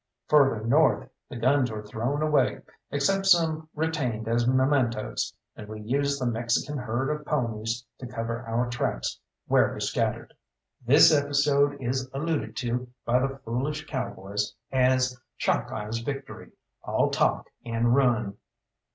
Further north the guns were thrown away, except some retained as mementos, and we used the Mexican herd of ponies to cover our tracks where we scattered. This episode is alluded to by the foolish cowboys as "Chalkeye's victory all talk and run."